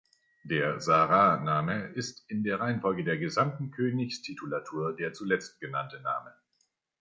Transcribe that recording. Der Sa-Ra-Name ist in der Reihenfolge der gesamten Königstitulatur der zuletzt genannte Name.